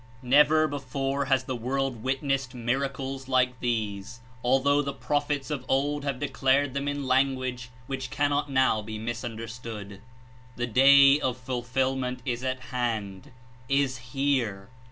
Never before has the world witnessed miracles like these, although the prophets of old have declared them in language which cannot now be misunder stood. The Day of Fulfilment is at hand, is here.